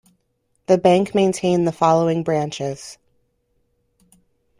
The bank maintained the following branches.